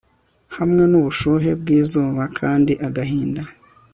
hamwe n'ubushuhe bw'izuba. kandi agahinda